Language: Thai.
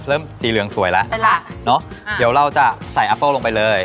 เริ่มสีเหลืองสวยแล้วเป็นละเนอะเดี๋ยวเราจะใส่อัปเปิ้ลลงไปเลย